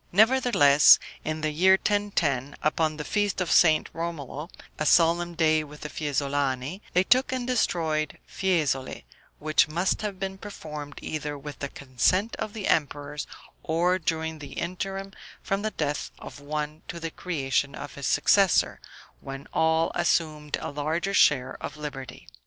Nevertheless, in the year 1010, upon the feast of St. Romolo, a solemn day with the Fiesolani, they took and destroyed Fiesole, which must have been performed either with the consent of the emperors, or during the interim from the death of one to the creation of his successor, when all assumed a larger share of liberty.